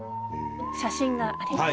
写真があります。